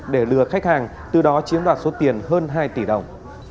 để lừa khách hàng từ đó chiếm đoạt số tiền hơn hai tỷ đồng